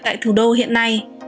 tại thủ đô hiện nay